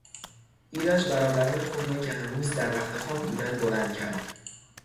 ایرج برادران خود را که هنوز در رختخواب بودند بلند کرد.